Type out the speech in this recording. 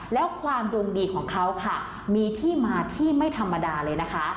แล้วความดวงดีของเขาค่ะมีที่มาที่ไม่ธรรมดาเลยนะคะ